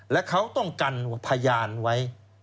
และเขาต้องกันพยานไว้